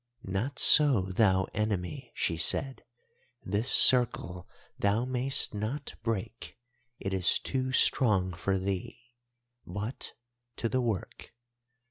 "'Not so, thou Enemy,' she said, 'this circle thou may'st not break; it is too strong for thee. But to the work.